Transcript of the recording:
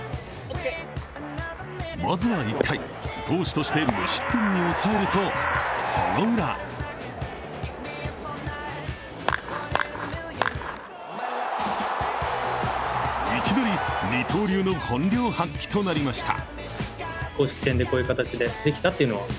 まずは１回、投手として無失点に抑えるとそのウラいきなり二刀流の本領発揮となりました。